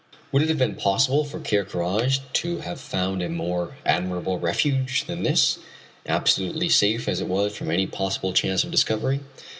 Would it have been possible for Ker Karraje to have found a more admirable refuge than this, absolutely safe as it was from any possible chance of discovery?